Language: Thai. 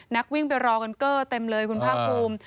นักวิ่งไปรอกันเกอร์เต็มเลยคุณภาคภูมิ